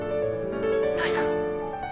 どうしたの？